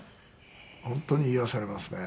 本当に癒やされますね。